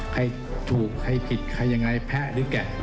ใครถูกใครผิดใครยังไงแพ้หรือแกะ